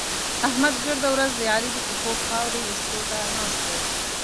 احمد ګرده ورځ د علي د پښو خاورې اېستو ته ناست دی.